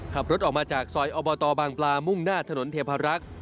ขับรถออกมาจากซอยอบตบางปลามุ่งหน้าถนนเทพรักษ์